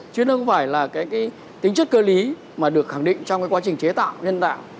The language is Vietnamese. chứ không phải là cái tính chất cơ lý mà được khẳng định trong cái quá trình chế tạo nhân đạo